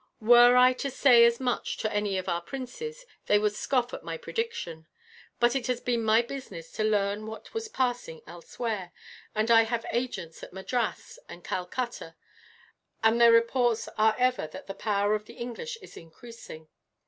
Were I to say as much to any of our princes, they would scoff at my prediction; but it has been my business to learn what was passing elsewhere, and I have agents at Madras and Calcutta, and their reports are ever that the power of the English is increasing.